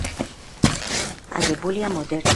აგებულია მოდერნის სტილში.